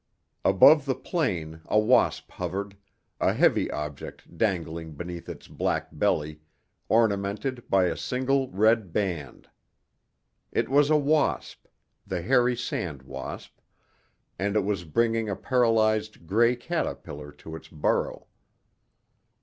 Above the plain a wasp hovered, a heavy object dangling beneath its black belly, ornamented by a single red band. It was a wasp the hairy sand wasp and it was bringing a paralyzed gray caterpillar to its burrow.